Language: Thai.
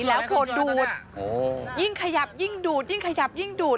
แล้วคือดูดยิ่งขยับยิ่งดูดยิ่งขยับยิ่งดูด